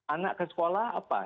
anak ke sekolah apa